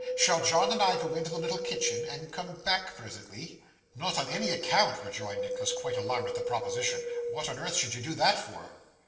Shall John and I go into the little kitchen, and come back presently?' 'Not on any account,' rejoined Nicholas, quite alarmed at the proposition. 'What on earth should you do that for?